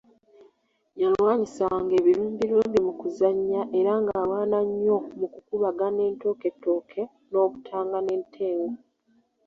Yalwanyisanga ebirumbirumbi mu kuzannya era ng'alwana nnyo mu kukubagana entooketooke n'obutanga n'entengo.